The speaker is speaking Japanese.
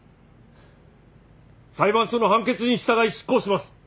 裁判所の判決に従い執行します。